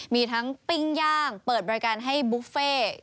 มีทั้งปิ้งย่างเปิดบริการให้บุฟเฟ่